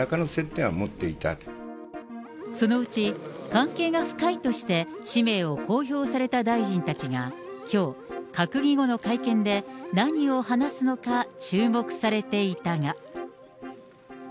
関係が深いとして氏名を公表された大臣たちがきょう、閣議後の会見で何を話すのか注目されていたが。